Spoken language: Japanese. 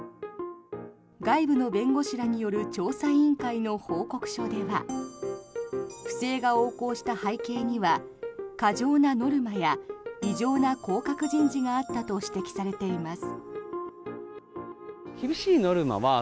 外部の弁護士らによる調査委員会の報告書では不正が横行した背景には過剰なノルマや異常な降格人事があったと指摘されています。